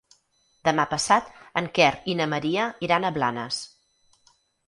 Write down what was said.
Demà passat en Quer i na Maria iran a Blanes.